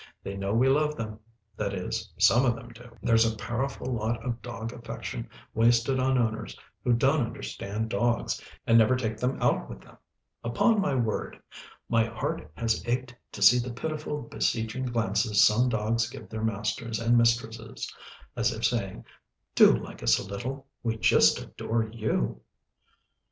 They know we love them that is, some of them do. There's a powerful lot of dog affection wasted on owners who don't understand dogs, and never take them out with them. Upon my word, my heart has ached to see the pitiful, beseeching glances some dogs give their masters and mistresses, as if saying, "Do like us a little we just adore you."